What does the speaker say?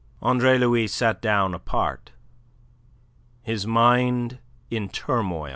Andre Louis sat down apart, his mind in turmoil.